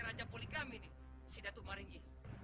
raja poligami nih si datu maringi